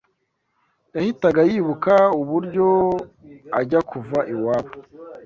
Yahitaga yibuka uburyo ajya kuva iwabo